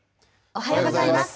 おはようございます。